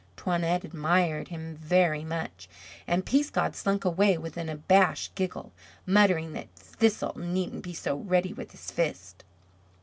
Toinette admired him very much; and Peascod slunk away with an abashed giggle muttering that Thistle needn't be so ready with his fist.